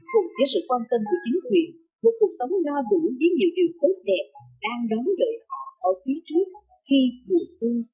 cùng với sự quan tâm của chính quyền một cuộc sống lo đủ với nhiều điều tốt đẹp đang đóng lợi họ ở phía trước khi buổi xuân đang về